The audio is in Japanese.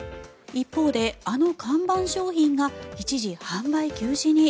一方で、あの看板商品が一時、販売休止に。